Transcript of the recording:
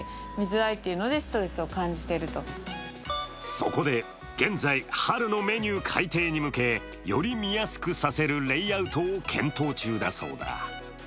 そこで現在春のメニュー改訂に向け、より見やすくさせるレイアウトを検討中だそうだ。